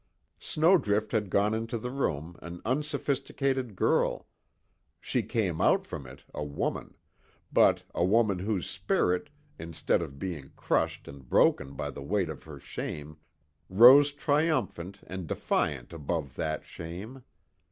Snowdrift had gone into the room an unsophisticated girl she came out from it a woman but, a woman whose spirit, instead of being crushed and broken by the weight of her shame, rose triumphant and defiant above that shame.